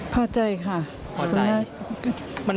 พอใจค่ะ